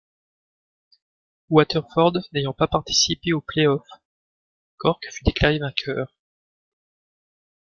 Waterford n’ayant pas participé au play-off, Cork fut déclaré vainqueur.